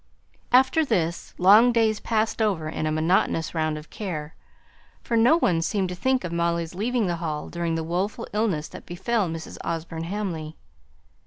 After this, long days passed over in a monotonous round of care; for no one seemed to think of Molly's leaving the Hall during the woeful illness that befell Mrs. Osborne Hamley.